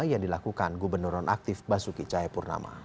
yang dilakukan gubernuron aktif basuki cahayapurnama